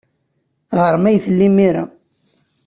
Ɣer-m ay tella imir-a.